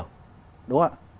đúng không ạ